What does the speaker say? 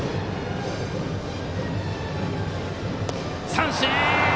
三振！